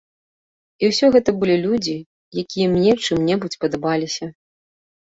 І ўсё гэта былі людзі, якія мне чым-небудзь падабаліся.